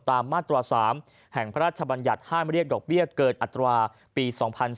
มาตรา๓แห่งพระราชบัญญัติห้ามเรียกดอกเบี้ยเกินอัตราปี๒๔